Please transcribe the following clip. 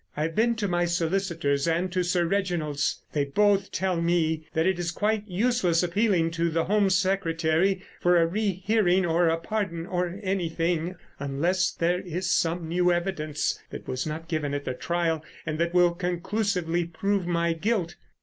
I have been to my solicitors and to Sir Reginald's; they both tell me that it is quite useless appealing to the Home Secretary for a re hearing or a pardon or anything, unless there is some new evidence that was not given at the trial and that will conclusively prove my guilt.